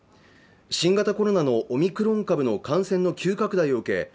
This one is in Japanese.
新型コロナのオミクロン株の感染の急拡大を受け